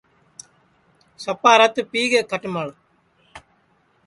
سپا رت پِیگے کھٹمݪ